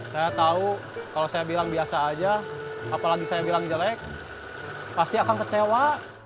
saya tahu kalau saya bilang biasa aja apalagi saya bilang jelek pasti akan kecewa